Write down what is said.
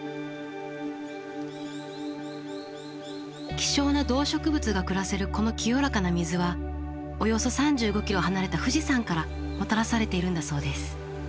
希少な動植物が暮らせるこの清らかな水はおよそ３５ｋｍ離れた富士山からもたらされているんだそうです。